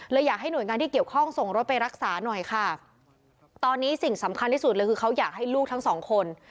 อยากให้หน่วยงานที่เกี่ยวข้องส่งรถไปรักษาหน่อยค่ะตอนนี้สิ่งสำคัญที่สุดเลยคือเขาอยากให้ลูกทั้งสองคน